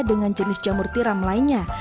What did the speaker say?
dengan jenis jamur tiram lainnya